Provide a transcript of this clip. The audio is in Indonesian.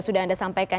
sudah anda sampaikan